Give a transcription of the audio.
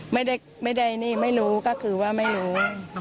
ไม่ได้นี่ไม่รู้ก็คือว่าไม่รู้